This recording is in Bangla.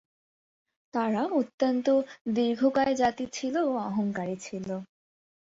তারা অত্যন্ত দীর্ঘকায় জাতি ছিল ও অহংকারী ছিল।